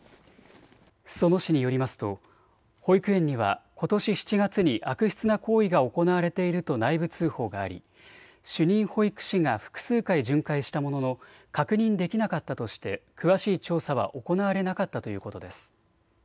裾野市によりますと保育園にはことし７月に悪質な行為が行われていると内部通報があり主任保育士が複数回、巡回したものの確認できなかったとして詳しい調査は行われなかったということです。